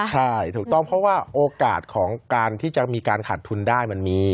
ใช่ถูกต้องเพราะว่าโอกาสของการที่จะมีการขาดทุนได้มันมี